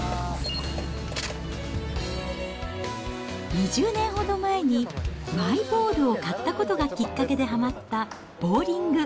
２０年ほど前にマイボールを買ったことがきっかけではまったボウリング。